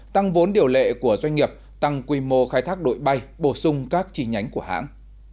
tăng vốn điều lệ của doanh nghiệp tăng quy mô khai thác đội bay bổ sung các chi nhánh của hãng